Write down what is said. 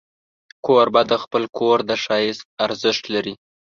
کوربه د خپل کور د ښایست ارزښت لري.